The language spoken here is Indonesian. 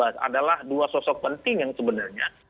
adalah dua sosok penting yang sebenarnya